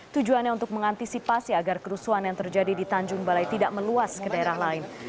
tujuannya untuk mengantisipasi agar kerusuhan yang terjadi di tanjung balai tidak meluas ke daerah lain